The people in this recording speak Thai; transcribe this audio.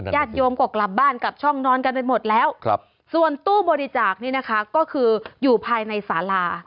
ญาติโยมก็กลับบ้านกลับช่องนอนกันไปหมดแล้วส่วนตู้บริจาคนี่นะคะก็คืออยู่ภายในสารา